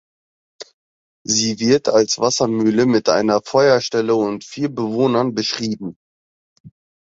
Sie wird als Wassermühle mit einer Feuerstelle und vier Bewohnern beschrieben.